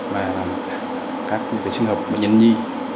và các trường hợp bệnh nhân nhi